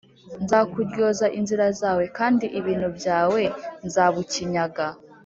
Nzakuryoza inzira zawe kandi ibintu byawe nzabukinyaga